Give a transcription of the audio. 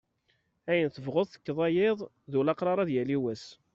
Ayen tebɣuḍ tekkeḍ ay iḍ, d ulaqrar ad yali wass.